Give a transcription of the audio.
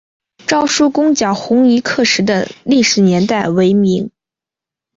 赵纾攻剿红夷刻石的历史年代为明。